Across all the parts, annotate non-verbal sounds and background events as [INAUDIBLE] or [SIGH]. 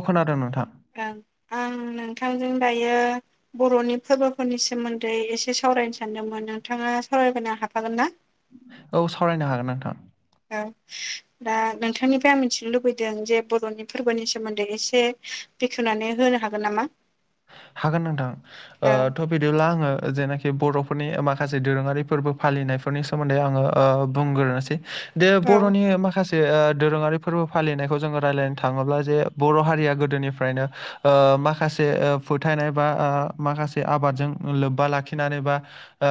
अ खोनादों नोंथां गा आं नोंथांजों दायो बर'नि फोरबोफोरनि सोमोन्दै एसे सावरायनो सानदोंमोन नोंथाङा सावरायबायनो हाफागोन ना? औ सावरायनो हागोन नोंथां। औ दा नोंथांनिफ्राय आं मिथिनो लुबैदों जे बर'नि फोरबोनि सोमोन्दै एसे बेखेवनानै होनो हागोन नामा? हागोन नोंथां औ ओं थ बिदिब्ला आङो जेनाखि बर'फोरनि माखासे दोरोङारि फोरबो फालिनायफोरनि सोमोन्दै आङो ओ बुंग्रोनोसै दे औ बर'नि माखासे जे दोरोङारि फोरबो फालिनायखौ जोङो रायज्लायनो थाङोब्ला जे बर' हारिया गोदोनिफ्रायनो ओ माखासे ओ फोथायनाय बा ओ माखासे आबादजों लोब्बा लाखिनानै बा ओ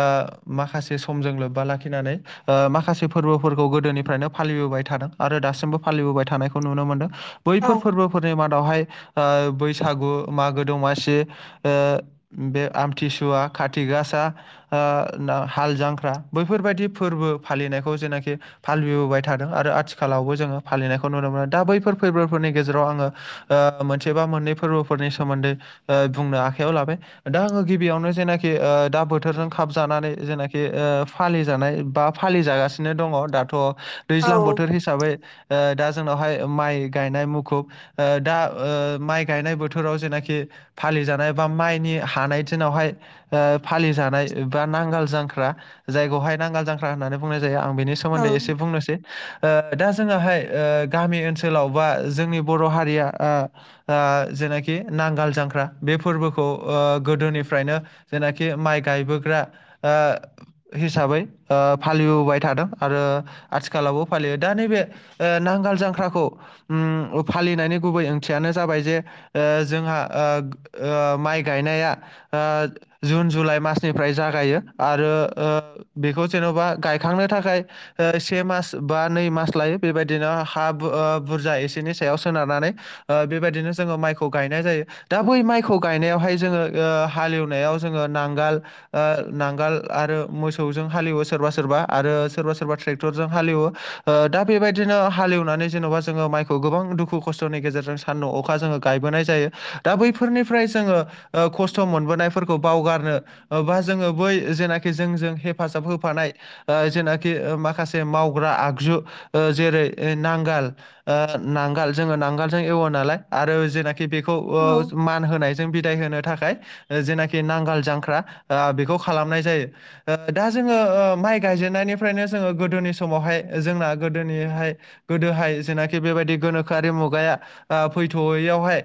माखासे समजों लोब्बा लाखिनानै माखासे फोरबोफोरखौ गोदोनिफ्रायनो फालिबोबाय थादों आरो दासिमबो फालिबोबाय थानायखौ नुनो मोनदों औ बैफोर फोरबोफोरनि मादावहाय ओ बैसागु मागो दमासि जे ओ बे आमथिसुवा खाथि गासा ओ हाल जांख्रा बैफोरबायदि फोरबो फालिनायखौ जेनाखि फालिबोबाय थादों आरो आथिखालावबो जोङो फालिनायखौ नुनो मोनो दा बैफोर फोरबोफोरनि गेजेराव आङो ओ मोनसे बा मोननै फोरबोफोरनि सोमोन्दै ओ बुंनो आखाइयाव लाबाय दा आङो गिबियावनो जेनाखि ओ दा बोथोरजों खाबजानानै जेनाखि ओ फालि जानाय बा फालि जागासिनो दङ दाथ' औ दैज्लां बोथोर हिसाबै हिसाबै दा जोंनावहाय माइ गायनाय मुखुब ओ दा ओ माइ गायनाय बोथोराव जेनाखि फालिजानाय बा माइनि हानाय दिनावहाय ओ फालिजानाय बा नांगाल जांख्रा जायखौहाय नांगाल जांख्रा होननानै बुंनाय जायो आं बेनि औ सोमोन्दै ओ दा जोङोहाय ओ गामि ओनसोलाव बा जोंनि बर' हारिया ओ ओ जेनाखि नांगाल जांख्रा बे फोरबोखौ ओ गोदोनिफ्रायनो जेनाखि माइ गायबोग्रा ओ हिसाबै ओ फालिबोबाय थादों आरो आथिखालावबो फालियो दा नैबे ओ नांगाल जांख्राखौ उम फालिनायनि गुबै ओंथियानो जाबाय जे ओ जोंहा ओ ओ माइ गायनाया जुन जुलाइ मासनिफ्राय जागायो आरो ओ बेखौ जेन'बा गायखांनो थाखाय से मास बा नै मास लायो बेबायदिनो हा बुरजा एसेनि सायाव सोनारनानै ओ बेबायदिनो जोङो माइखौ गायनाय जायो दा बै माइखौ माइखौ गायनायावहाय जोङो ओ हालएवनायाव जोङो नांगाल ओ नांगोल आरो मोसौजों हालेवो सोरबा सोरबा आरो सोरबा सोरबा ट्रेक्टरजों हालोएवो ओ दा बेबायदिनो हालेवनानै जेन'बा जोङो माइखौ गोबां दुखु खस्थ'नि गेजेरजों सानदुं अखा जोङो गायबोनाय जायो दा बै फोरनिफ्राय जोङो ओ खस्थ' मोनबोनायफोरखौ बावगारनो [UNINTELLIGIBLE] बा जोङो बै जेनाखि जोंजों हेफाजाब होफानाय ओ जेनाखि माखासे मावग्रा आगजु ओ जेरै नांगाल ओ नांगाल जोङो नांगालजों एवो नालाय आरो जेनाखि बेखौ ओ मान होनायजों बिदाय होनो थाखाय जेनाखि नांगाल जांख्रा ओ बेखौ खालामनाय जायो ओ दा जोङो ओ माइ गायजेननायनिफ्रायनो जोङो गोदोनि समावहाय जोंना गोदोनिहाय गोदोहाय जेनाखि बेबायदि गोनोखोआरि मुगाया ओ फैथ'यैयावहाय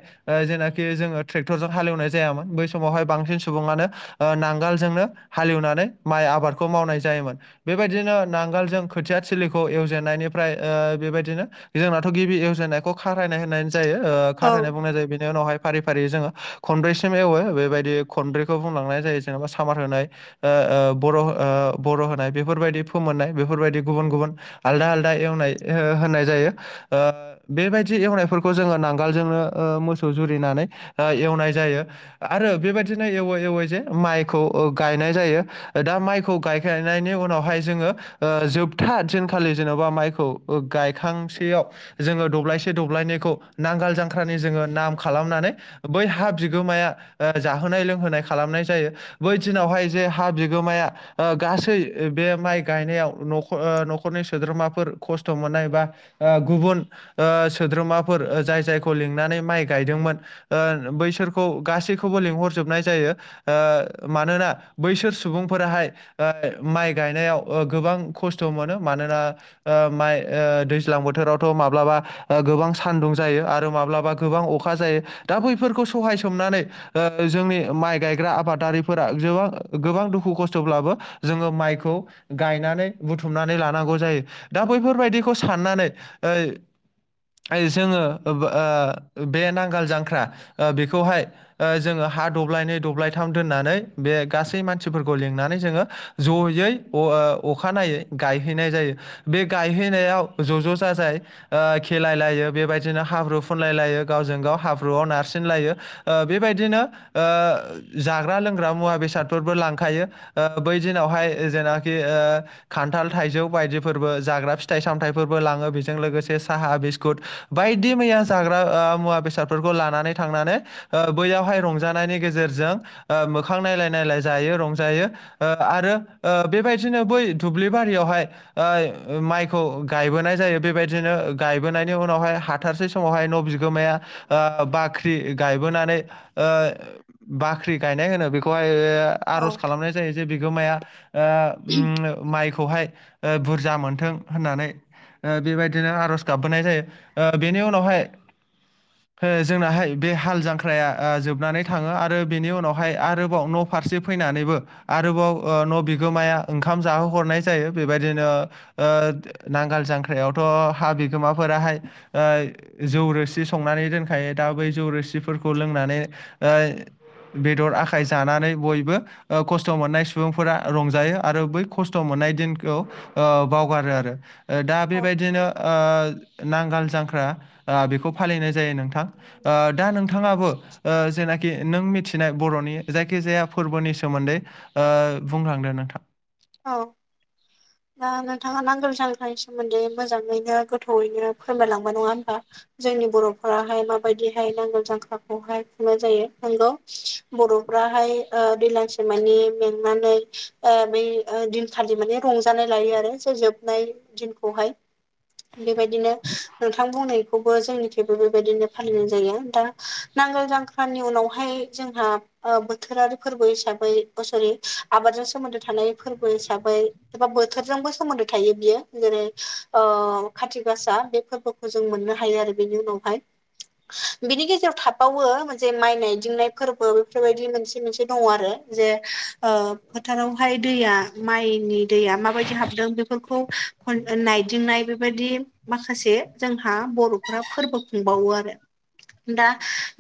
जेनाखि [UNINTELLIGIBLE] जेनेबा जोङो ट्रेक्टरजों हालेवनाय जायामोन बै समावहाय बांसिन सुबुङानो ओ नांगालजोंनो हालेवनानै माइ आबादखौ मावनाय जायोमोन। बेबायदिनो नांगोलजों खोथिया थिलिखौ एवजेननायनिफ्राय ओ बेबायदिनो जोंनाथ' गिबि एवजनायखौ खारयनाय होननाय जायो ओ औ खारयनाय बुंनाय जायो बेनि उनावहाय फारि फारि जोङो खनब्रैसिम एवो बेबायदि खनब्रैखौ बुंलांनाय जायो जेनेबा सामार होनाय ओ बर' ओ बर' होनाय बेफोरबायदि फोमोननाय बेफोरबायदि गुबुन गुबुन आलदा आलदा एवनाय ओ होननाय जायो ओ बेबायदि एवनायफोरखौ जोङो नांगालोलजोंनो मोसौ जुरि जुरिनानै एवनाय जायो आरो बेबायदिनो एवै एवै जे माइखौ ओ गायनाय जायो दा माइखौ गायखांनायनि उनावहाय जोङो ओ जोबथा दिनखालि जेन'बा माइखौ गायखांसैयाव जोङो दब्लायसे दब्लायनैखौ नांगाल जांख्रानि जोङो नाम खालामनानै बै हा बिगोमाया ओ जाहोनाय लोंहोनाय खालामनाय जायो बै दिनावहाय जे हा बिगोमाया ओ गासै बे माइ गायनायाव न'ख ओ न'खरनि सोद्रोमाफोर खस्थ' मोननाय बा ओ गुबुन ओ सोद्रोमाफोर जाय जायखौ लिंनानै माइ गायदोंमोन ओ बैसोरखौ गासैखौबो लिंहरजोबनाय जायो ओ मानोना बैसोर सुबुंफोराहाय ओ माइ गायनायाव ओ गोबां खस्थ' मोनो मानोना ओ माइ ओ दैज्लां बोथोरावथ' माब्लाबा ओ गोबां सानदुं जायो आरो माब्लाबा गोबां अखा जायो दा बैफोरखौ सहाय सोमनानै ओ जोंनि माइ गायग्रा आबादारिफोरा जोबां गोबां दुखु खस्थ'ब्लाबो जोङो माइखौ गायनानै बुथुमनानै लानांगौ जायो दा बैफोरबायदिखौ साननानै ओय ओय जोङो ओब ओ बे नांगाल जांख्रा ओ बेखौहाय ओ जोङो हा दब्लायनै दब्लायथाम दोननानै बे गासै मानसिफोरखौ लिंनानै जोङो जयै अ ओ अखानायै गायहोनाय जायो बे गायहैनायाव ज' ज' जाजाय ओ खेलाय लायो बेबायदिनो हाब्रु फुनलाय लायो। गावजों गाव हाब्रुआव नारसिनलायो ओ बेबायदिनो ओ जाग्रा लोंग्रा मुवा बेसादफोरबो लांखायो ओ बै दिनावहाय जेनाखि ओ खान्थाल थाइजौ बायदि फोरबो जाग्रा फिथाय सामथायफोरबो लाङो बेजों लोगोसे साहा बिस्कुत बायदि मैया जाग्रा ओ मुवा बेसादफोरखौ लानानै थांनानै ओ बैयावहाय रंजानायनि गेजेरजों ओ मोखां नायलाय नायलाय जायो रंजायो ओ आरो ओ बेबायदिनो बै दुब्लि बारियावहाय ओय माइखौ गायबोनाय जायो बेबायदिनो गायबोनायनि उनावहाय हाथारसै समावहाय न' बिग गोमाया ओ बाख्रि गायबोनानै ओ बाख्रि गायनाय होनो बेखौहाय ओ आर'ज औ खालामनाय जायो जे बिगोमाया ओ उ माइखौहाय ओ बुरजा मोनथों होननानै ओ बेबायदिनो आर'ज गाबबोनाय जायो ओ बेनि उनावहाय ओ जोंनाहाय बे हाल जांख्राया ओ जोबनानै थाङो आरो बेनि उनावहाय आरोबाव न' फारसे फैनानैबो आरोबाव ओ न' बिगोमाया ओंखाम जाहोहरनाय जायो बेबायदिनो ओ नांगाल जांख्रायावथ' हा बिगोमाफोराहाय ओ जौ रोस दि संनानै दोनखायो दा बै जौ रोसिफोरखौ लोंनानै ओ बेदर आखाइ जानानै बयबो ओ खस्थ' मोननाय सुबुंफोरा रंजायो आरो बै खस्थ' मोननाय दिनखौ ओ बावगारो आरो ओ दा बेबायदिनो ओ नांगाल जांख्रा बेखौ फालिनाय जायो नोंथां ओ दा नोंथाङाबो ओ जेनाखि नों मिथिनाय बर'नि जायखिजाया फोरबोनि सोमोन्दै ओ बुंलांदो नोंथां औ दा नोंथाङा नांगोल जांख्रानि सोमोन्दै मोजाङैनो गोथौयैनो फोरमायलांबाय नङा होमबा जोंनि बर'फोराहाय माबायदिहाय नांगोल जांख्राखौहाय खुंनाय जायो नंगौ बर'फ्राहाय ओ दैलांसे मानि मेंनानै ओ बै ओ दिनखालि माने रंजानाय लायो आरो जे जोबनाय दिनखौहाय बेबायदिनो नोंथां बुंनाय खौबो जोंनिथिंबो बेबायदिनो फालिनाय जायो दा नांगोल जांख्रानि उनावहाय जोंहा ओ बोथोरारि फोरबो हिसाबै अ सरि आबादजों सोमोन्दो थानाय फोरबो हिसाबै एबा बोथोरजोंबो सोमोन्दो थायो बियो जेरै ओ खाथि गासा बे फोरबो जों मोननो हायो आरो बेनि उनावहाय बिनि गेजेराव थाबावो मोनसे माइ नायदिंनाय फोरबो बेफोरबायदि मोनसे मोनसे दङ आरो जे ओ फोथारावहाय दैया माइनि दैया माबायदि हाबदों बेफोरखौ नायदिंनाय बेबायदि माखासे जोंहा बर'फ्रा फोरबो खुंबावो आरो दा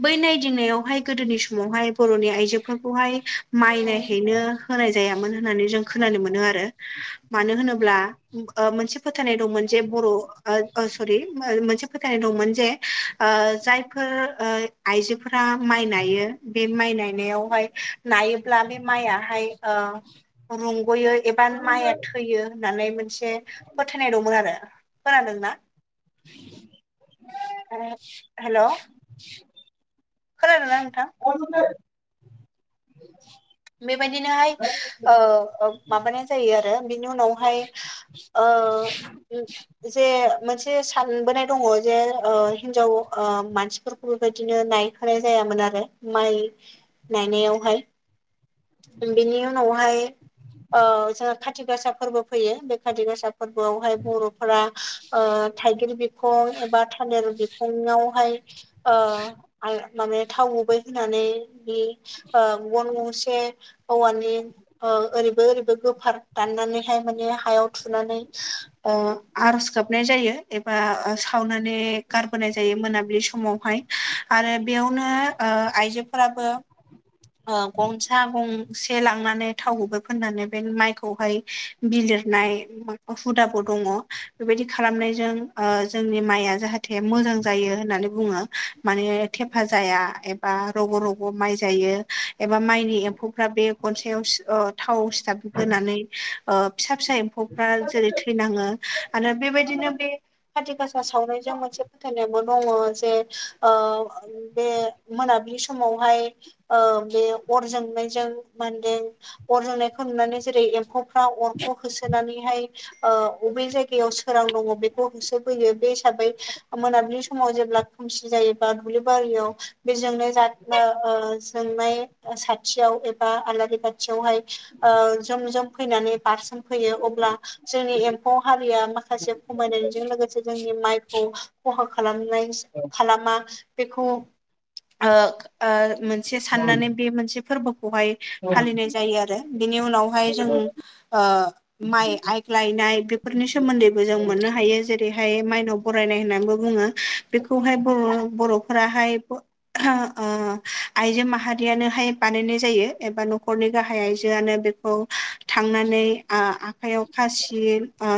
बै नायदिंनायावहाय गोदोनि समावहाय बर'नि आइजोफोरखौहाय माइनायहैनो होनाय जायामोन होननानै जों खोनानो मोनो आरो मानो होनोब्ला ओ मोनसे फोथायनाय दंमोन जे बर' ओ सरि मोनसे फोथायनाय दंमोन जे ओ जायफोर ओ आइजोफोरा माइ नायो बे माइ नायनायावहाय नाय ब्ला से माया हाय ओ रुंगयो एबा थो नोंथां थैयो होननानै मोनसे फोथायनाय दंमोन आरो खोनादोंना हेल' [UNINTELLIGIBLE] खोनादोंना नोंथां [UNINTELLIGIBLE] बेबायदिनोहाय ओ ओ माबानाय जायो आरो बिनि उनावहाय [UNINTELLIGIBLE] जे मोनसे सानबोनाय दङ जे ओ हिनजाव ओ मानसि बेबायदिनो नायखानाय जायामोन आरो माइ नायनायावहाय बिनि उनावहाय ओ जोंहा खाथि गासा फोरबो फैयो बे खाथि गासा फोरबोआवहाय बर'फोरा ओ थाइगिर बिखं एबा थालेर बिखङावहाय ओ आ माने थाव गुबै होनानै बे ओ गन गंसे औवानि ओ ओरैबो ओरैबो गोफार दाननानैहाय माने हायाव थुनानै ओ आरज गाबनाय जायो एबा सावनानै गारबोनाय जायो मोनाबिलि समावहाय आरो बेयावनो ओ आइजोफोराबो ओ गंसे थां गंसे लांनानै थावगुबै फोननानै बे माइखौहाय बिलिरनाय हुदाबो दङ बेबायदि खालामनायजों ओ जोंनि माइया जाहाथे जाथे मोजां जायो होननानै बुङो माने थेफा जाया एबा रग' रग' माइ जायो एबा माइनि एम्फौफ्रा बे गनसायाव ओ थाव सिथाब होनानै फिसा फिसा एम्फौ दा‌ जेरै थैनाङो आरो बेबायदिनो बे खाथि गासा सावनायजों मोनसे फोथायनायाबो दङ जे बे मोनाबिलि समावहाय बे अरजों सनायजों मा होनदों अर जोंनायखौ नुनानै जेरै एम्फौफ्रा अरखौ होसोनानैहाय बबे जायगायाव सोरां दङ बेखौ होसोफैयो बे हिसाबै मोनाबिलि समाव जेब्ला खोमसि जायोबा दुब्लि बारियाव बेजोंनाय जोंनाय खाथियाव एबा आलारि बाथियावहाय जम जम फैनानै बारसोम फैयो अब्ला जोंनि एम्फौ हारिया माखासे खमायनायजों लोगोसे जोंनि माइखौ खहा खालामनाय खालामा बेखौ ओ मोनसे साननानै बे मोनसे फोरबो खौहाय फालिनाय जायो आरो बिनि उनावहाय जों ओ माइ आइग्लायनाय बेफोरनि सोमोन्दैबो जों मोननो हायो जेरैहाय माइनाव बरायनाय होननानैबो बुङो बेखौहाय बर' बर'फोराहाय ओ आइजो माहारियानोहाय बानायनाय जायो एबा न'खरनि गाहाय आइजोआनो बेखौ थांनानै आ आखायाव खासि ओ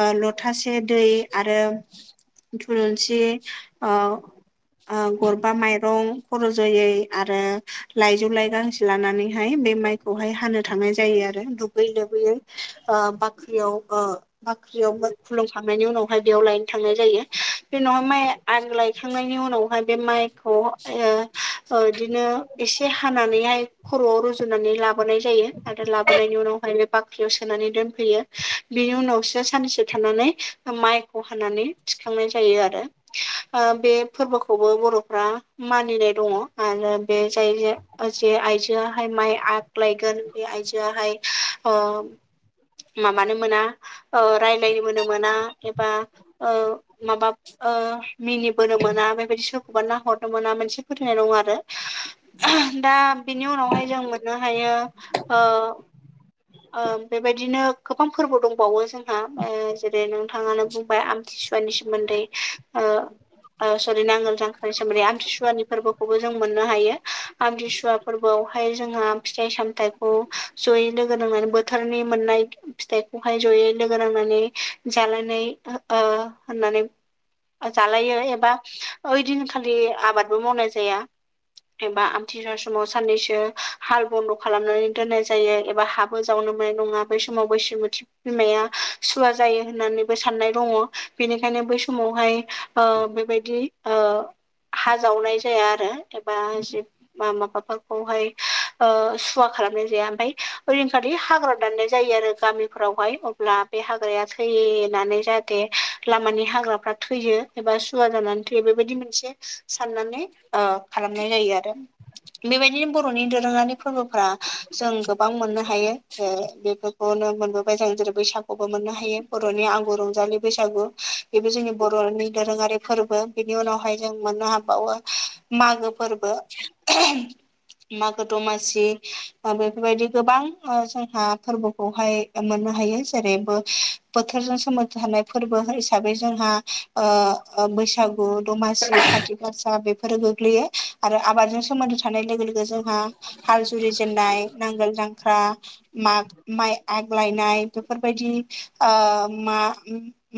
ओ लथासे दै आरो थलुंसि ओ ओ गरबा माइरं खर' ज'यै आरो लाइजौ लाइ गांसेो लानानैहाय बे माइखौहाय हानो थांनाय जायो आरो दुगै लोबैयै बाख्रियाव बाख्रियाव खुलुमखांनायनि उनावहाय बेयाव लायनो थांनाय जायो बे उनावहाय माइ आं लायखांनायनि उनावहाय बे माइखौ बिदिनो एसे हानानैहाय। खर'आव रुजुनानै लाबोनाय जायो। बेनि उनावसो साननैसो थानानै माइ बे फोरबोखौबो बर'फ्रा मानिनाय दङ आरो बे जाय जे आइजोआहाय माइ आग्लायगोन बे आइजोआहाय माबानो मोना राय्लायबोनो मोना एबा माबा ओ मिनिबोनो मोना बेबायदि सोरखौबा नाहरनो मोना मोनसे फोथायनाय दं आरो दा बिनि उनावहाय जों मोननो हायो। [INAUDIBLE] बेबायदिनो गोबां फोरबो दंबावो जोंहा जेरै नोंथाङानो बुंबाय। आमथिसुवा नि सोमोन्दै। ओ सरि नांगोल जांखनि सोम्दै आमथिसुवानि फोरबोखौबो जों मोननो हायो। आमथिसुवा फोरबोआवहाय जोंहा फिथाइ सामथायाइखौ जयै लोगो नांनानै बोथोरनि मोननाय। फिथाइखौहाय जयै लोगो नांनानै जालायानानै होननानै। जालायो एबा ओइदिनखालि आबादबो मावनाय जाया। एबा आमथिसुा समाव साननैसो हाल बन्द' खालामनानै दोननाय जायो एबा हाबो जावनो मोननाय नङा। बै समाव बैयबो बिमाया सुवा जायो होननानैबो साननाय दङ बेनिखायनो बै समावहाय। बेबायदि हा जावनाय जाया आरो बा माबाफोरखौहाय। खुवा खालामनाय जाया मफ्राय ओरैनो खालि हाग्राायाव दाननाय जायो आरो गामिफोरावहाय ब्ला बे हाग्राया थैय होननानै जाहाथे लामानि हाग्राफ्रा थैयो। एबा सुवा जानानै थैयो बेबायदि मोनसे साननानै खालामनाय जायो आरो बेबायदिनो बर'नि दोरोङारि फोरबोफ्रा जों गोबां मोननो। हायो बेफोरखौनो मोनबोबाय जों जेरै बैसागुबो मोननो हायो बर'नि आंगु रंजालि बैसागु बेबो जोंनि बर'नि दोरोङारि फोरबो बिनि उनावहाय जों मोननो हाबावो। मागो फोरबो। मागो दमासि बेफोरबायदि गोबां जोंहा फोरबोखौहाय। मोननो हायो जेरैबो बोथोरजों सोमोन्दो थानाय फोरबो हिसाबै जोंहा। आ आं बैसागु ओ दमासि खाथि फसा बेफोरो गोग्लैयो आरो आबादजों सोमोन्दो थानाय। जोंहा हाल जुरिजेननाय नांगोल जांख्रा। माग माइ आग्लायनाय बेफोरबायदि ओ मा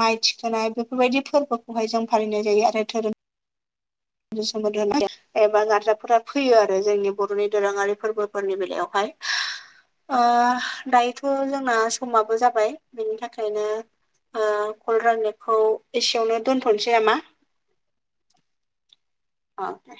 माइ थिखोनाय बेफोरबायदि फोरबोखौहाय जों फालिनाय जायो आरो धोरोम [UNINTELLIGIBLE] एबा गारजाफोरा फैयो आरो जोंनि बर'नि दोरोङारि फोरबोफोरनि बेलायावहाय ओ दायोथ' जोंना समाबो जाबाय बेनि थाखायनो। ओंखायनो ओ खल राननायखौ एसेयावनो दोनथ'नोसै नामा? औ दे